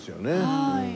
はい。